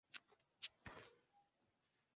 La teritorio ampleksas kvadratajn kilometrojn.